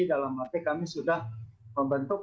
dalam arti kami sudah membentuk